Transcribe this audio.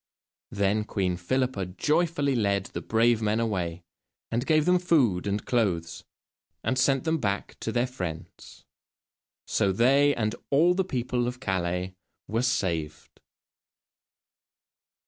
Then Queen Philippa joyfully led the brave men away, and gave them food and clothes, and sent them back to their friends. So they, and all the people of Calais, were saved.